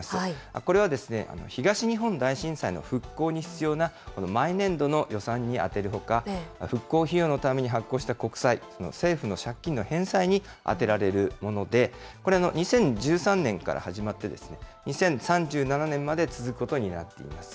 これは東日本大震災の復興に必要な毎年度の予算に充てるほか、復興費用のために発行した国債、政府の借金の返済に充てられるもので、これは２０１３年から始まって、２０３７年まで続くことになっています。